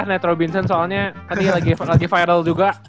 net robinson soalnya tadi lagi viral juga